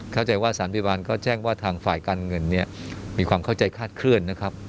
เข้าใจว่าสถานพยาบาลก็แจ้งว่าทางฝ่ายการเงินมีความเข้าใจคลาดเคลื่อน